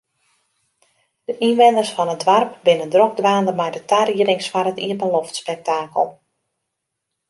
De ynwenners fan it doarp binne drok dwaande mei de tariedings foar it iepenloftspektakel.